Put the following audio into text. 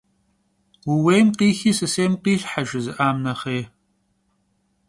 «Vuuêym khixi sısêym khilhhe» - jjızı'am nexhêy.